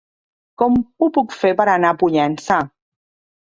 Com ho puc fer per anar a Pollença?